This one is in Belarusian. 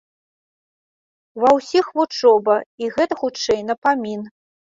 Ва ўсіх вучоба, і гэта, хутчэй, напамін.